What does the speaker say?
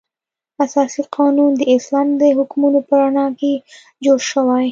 اساسي قانون د اسلام د حکمونو په رڼا کې جوړ شوی.